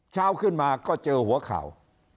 เช้าขึ้นมาก็เจอหัวข่าว